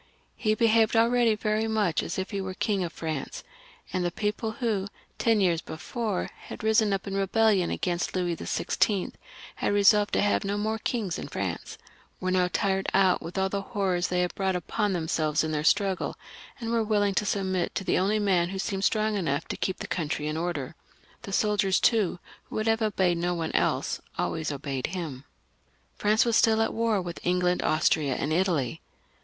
He behaved already very much as if he were King of France ; and the people who, ten years before, had risen up in rebel lion against Louis XVI., and had resolved to have no more kings in France, were now tired out with aU the horrors they had brought upon themselves in their struggle, and were willing to submit to the only man who seemed strong 428 DIRECTORY AND CONSULATE. [CH. enough to keep the country in order. The soldiers, too, who would have obeyed no one else, always obeyed him. France was still at war with England, Austria, and Italy.